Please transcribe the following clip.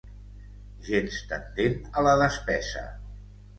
Gens tendent a la despesa.